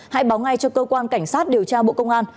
hãy báo ngay cho cơ quan cảnh sát điều tra bộ công an